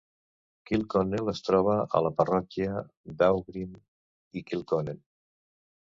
Kilconnel es troba a la parròquia d'Aughrim i Kilconnel.